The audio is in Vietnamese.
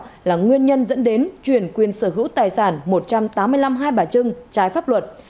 đó là nguyên nhân dẫn đến chuyển quyền sở hữu tài sản một trăm tám mươi năm hai bà trưng trái pháp luật